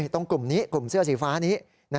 กลุ่มนี้กลุ่มเสื้อสีฟ้านี้